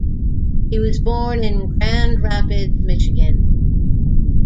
He was born in Grand Rapids, Michigan.